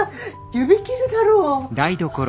指切るだろ。